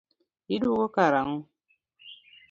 Iduogo kar ang'o?